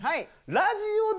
「ラジオで！」。